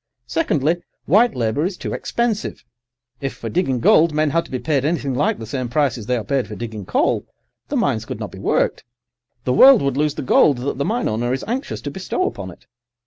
Secondly, white labour is too expensive. If for digging gold men had to be paid anything like the same prices they are paid for digging coal, the mines could not be worked. The world would lose the gold that the mine owner is anxious to bestow upon it.